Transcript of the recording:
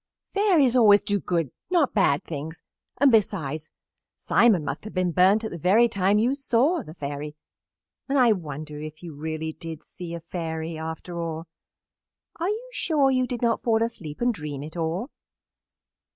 "Fairies always do good, not bad things, and, besides, Simon must have been burnt at the very time you saw the Fairy, and I wonder if you really did see a Fairy, after all. Are you sure you did not fall asleep and dream it all?"